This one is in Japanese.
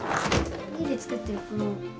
家で作ってるこの。